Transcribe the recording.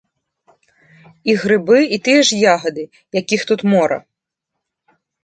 І грыбы, і тыя ж ягады, якіх тут мора.